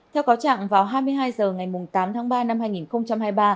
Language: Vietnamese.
theo cáo chẳng vào hai mươi hai h ngày tám ba hai nghìn hai mươi